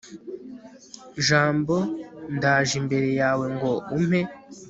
jambo, ndaje imbere yawe, ngo umpe